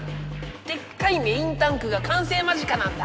でっかいメインタンクがかんせい間近なんだ。